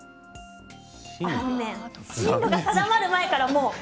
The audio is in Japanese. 進路が定まる前からもう。